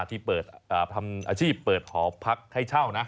ที่เปิดทำอาชีพเปิดหอพักให้เช่านะ